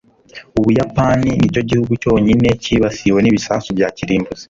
ubuyapani nicyo gihugu cyonyine cyibasiwe n'ibisasu bya kirimbuzi